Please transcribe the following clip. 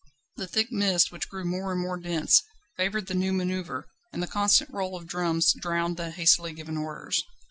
The thick mist, which grew more and more dense, favoured the new manoeuvre, and the constant roll of drums drowned the hastily given orders.